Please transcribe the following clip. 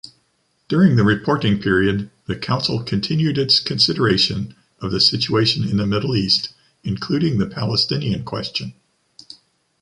During the reporting period, the Council continued its consideration of the situation in the Middle East, including the Palestinian question.